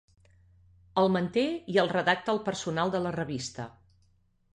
El manté i el redacta el personal de la revista.